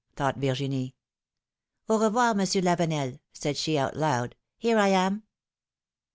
thought Virginie. revoir, Monsieur Lave nel,'' said she, out loud, here I am.